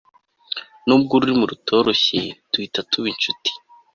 nubwo ururimi rutoroshye, duhita tuba inshuti